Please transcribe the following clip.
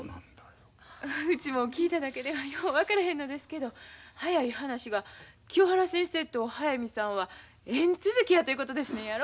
うちも聞いただけではよう分からへんのですけど早い話が清原先生と速水さんは縁続きやということですねやろ？